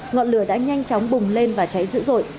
ngọn lửa đã nhanh chóng bùng lên và cháy dữ dội